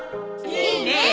いいねえ